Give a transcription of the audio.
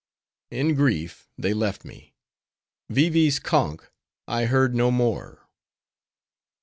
In grief they left me. Vee Vee's conch I heard no more.